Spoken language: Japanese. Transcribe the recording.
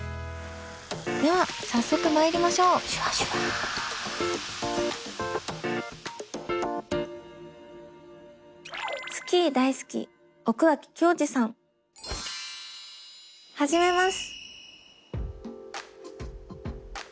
では早速まいりましょう始めます。